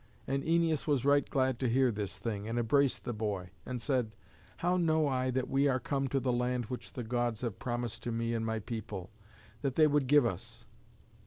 And Æneas was right glad to hear this thing, and embraced the boy, and said, "Now know I that we are come to the land which the Gods have promised to me and to my people, that they would give us.